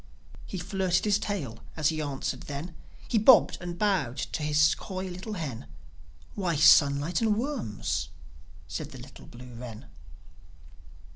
He flirted his tail as he answered then, He bobbed and he bowed to his coy little hen: "Why, sunlight and worms!" said the little blue wren.